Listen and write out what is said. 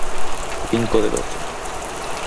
Cinco de doce.